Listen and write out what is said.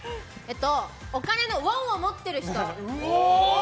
お金のウォンを持ってる人。